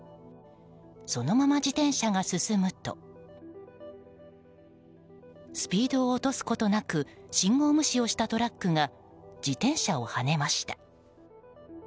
そのまま自転車が進むとスピードを落とすことなく信号無視をしたトラックが自転車をはねました。